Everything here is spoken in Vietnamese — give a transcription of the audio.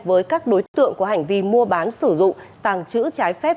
với các đối tượng có hành vi mua bán sử dụng tàng trữ trái phép